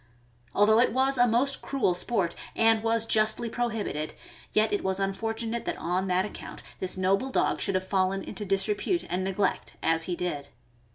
Although it was a most cruel sport, and was justly prohibited, yet it was unfortunate that on that account this noble dog should have fallen into disrepute and neglect, as he did.